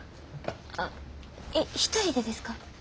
あ一人でですか？